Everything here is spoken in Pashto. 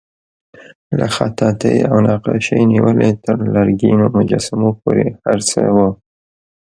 له خطاطۍ او نقاشۍ نیولې تر لرګینو مجسمو پورې هر څه وو.